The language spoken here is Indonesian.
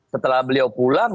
setelah beliau pulang